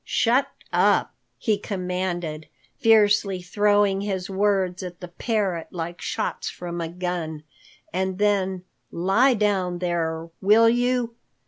"Shut up!" he commanded, fiercely throwing his words at the parrot like shots from a gun. And then, "Lie down there, will you?"